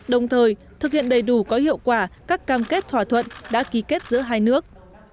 đồng thời thực hiện đầy đủ có hiệu quả các cam kết thỏa thuận đã ký kết giữa hai nước